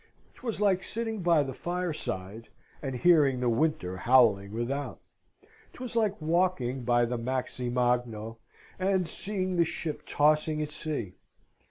'Twas like sitting by the fireside and hearing the winter howling without; 'twas like walking by the maxi magno, and seeing the ship tossing at sea.